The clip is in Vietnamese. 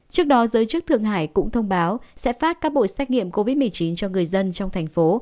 trước đó giới chức thượng hải cũng thông báo sẽ phát các bộ xét nghiệm covid một mươi chín cho người dân trong thành phố